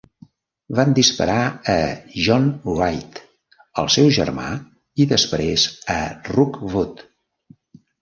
Van disparar a John Wright, al seu germà i després a Rookwood.